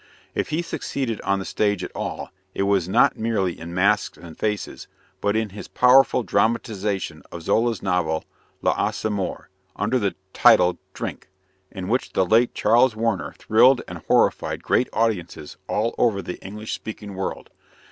If he succeeded on the stage at all, it was not merely in "Masks and Faces," but in his powerful dramatization of Zola's novel, L'Assommoir, under the title "Drink," in which the late Charles Warner thrilled and horrified great audiences all over the English speaking world.